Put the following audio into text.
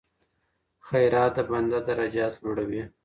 خیرات د بنده درجات لوړوي.